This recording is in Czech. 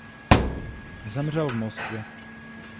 Zemřel v Moskvě.